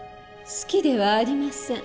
好きではありません。